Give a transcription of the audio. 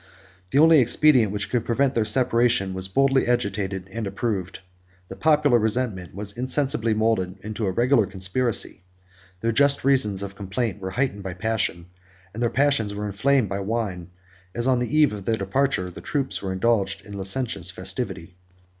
The only expedient which could prevent their separation was boldly agitated and approved; the popular resentment was insensibly moulded into a regular conspiracy; their just reasons of complaint were heightened by passion, and their passions were inflamed by wine; as, on the eve of their departure, the troops were indulged in licentious festivity.